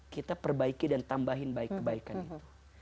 kita perbaiki dan tambahin baik kebaikan itu